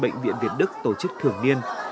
bệnh viện việt đức tổ chức thường niên